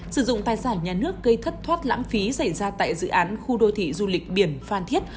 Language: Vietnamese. sử dụng tài sản nhà nước gây thất thoát lãng phí xảy ra tại dự án khu đô thị du lịch biển phan thiết